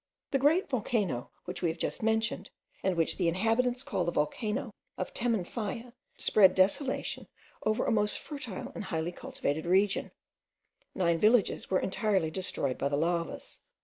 The great volcano, which we have just mentioned, and which the inhabitants call the volcano of Temanfaya, spread desolation over a most fertile and highly cultivated region: nine villages were entirely destroyed by the lavas.